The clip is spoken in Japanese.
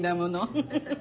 フフフッ。